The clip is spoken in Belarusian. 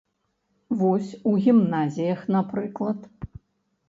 Вось, у гімназіях, напрыклад.